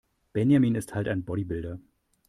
Benjamin ist halt ein Bodybuilder.